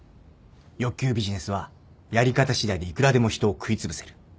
欲求ビジネスはやり方しだいでいくらでも人を食いつぶせる